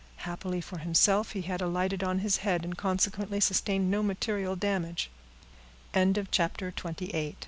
Happily for himself, he had alighted on his head, and consequently sustained no material damage. By "Eastern" is m